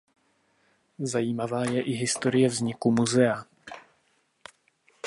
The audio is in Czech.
Zajímavá je i historie vzniku muzea.